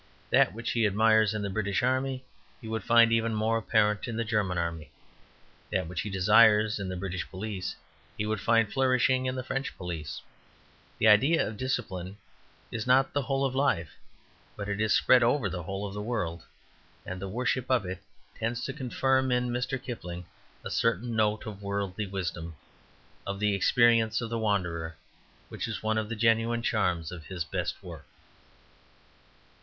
That which he admires in the British army he would find even more apparent in the German army; that which he desires in the British police he would find flourishing, in the French police. The ideal of discipline is not the whole of life, but it is spread over the whole of the world. And the worship of it tends to confirm in Mr. Kipling a certain note of worldly wisdom, of the experience of the wanderer, which is one of the genuine charms of his best work.